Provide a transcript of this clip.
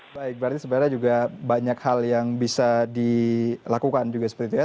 baik berarti sebenarnya juga banyak hal yang bisa dilakukan juga seperti itu ya